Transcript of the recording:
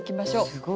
すごい。